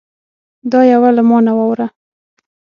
دا یوه له ما نه واوره